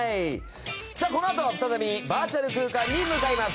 このあと再びバーチャル空間に向かいます。